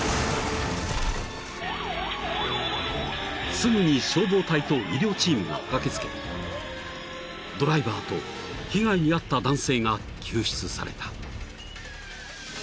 ［すぐに消防隊と医療チームが駆けつけドライバーと被害に遭った男性が救出された］